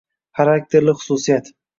Xarakterli xususiyat